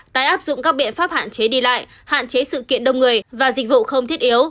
tái áp dụng các biện pháp hạn chế đi lại hạn chế sự kiện đông người và dịch vụ không thiết yếu